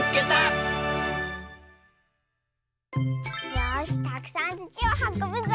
よしたくさんつちをはこぶぞ。